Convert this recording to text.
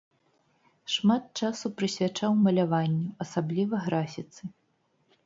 Шмат часу прысвячаў маляванню, асабліва графіцы.